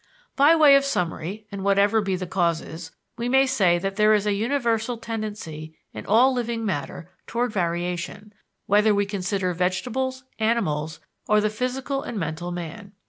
By way of summary, and whatever be the causes, we may say that there is a universal tendency in all living matter toward variation, whether we consider vegetables, animals, or the physical and mental man.